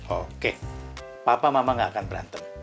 oke papa mama gak akan berantem